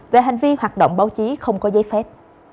về hành vi hoạt động báo chí không có giấy phép